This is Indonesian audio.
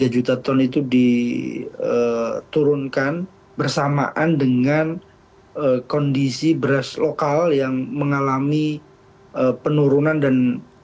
tiga juta ton itu diturunkan bersamaan dengan kondisi beras lokal yang mengalami penurunan dan